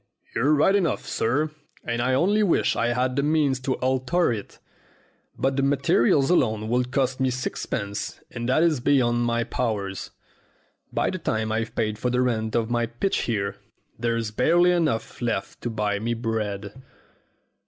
"You're right enough, sir, and I only wish I had the means to alter it. But the materials alone would cost me sixpence, and that is beyond my powers. By the time I've paid for the rent of my pitch here, there's barely enough left to buy me bread."